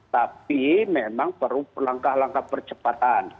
tapi memang perlengkah langkah percepatan